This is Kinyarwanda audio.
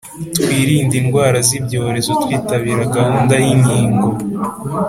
twirinde indwara z’ibyorezo twitabira gahunda y’inkingo.